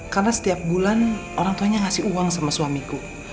karena setiap bulan orangtua aku ngasih uang sami suamiku